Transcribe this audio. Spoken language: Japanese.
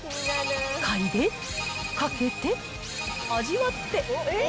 嗅いで、かけて、味わって。